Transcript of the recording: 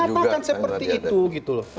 yang mengatakan seperti itu gitu loh